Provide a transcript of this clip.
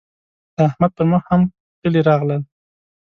د احمد پر مخ هم خلي راغلل.